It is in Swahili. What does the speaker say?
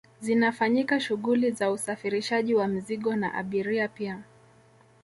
zinafanyika shughuli za usafirishaji wa mizigo na abiria pia